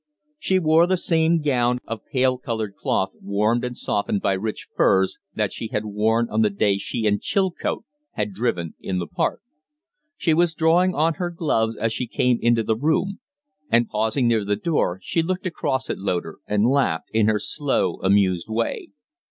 She wore the same gown of pale colored cloth, warmed and softened by rich furs, that she had worn on the day she and Chilcote had driven in the park. She was drawing on her gloves as she came into the room; and pausing near the door, she looked across at Loder and, laughed in her slow, amused way.